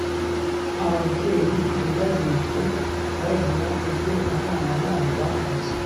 ababyeyi ntibazicwe bazira ibyo abana babo bakoze,